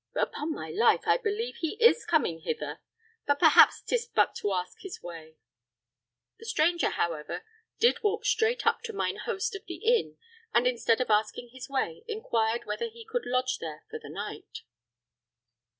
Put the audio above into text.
Upon my life, I believe he is coming hither; but perhaps 'tis but to ask his way." The stranger, however, did walk straight up to mine host of the inn, and instead of asking his way, inquired whether he could lodge there for the night.